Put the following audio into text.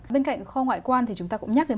bên cạnh kho ngoại quan thì chúng ta cũng nhắc đến